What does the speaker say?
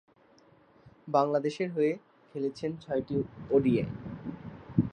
বাংলাদেশের হয়ে খেলেছেন ছয়টি ওডিআই।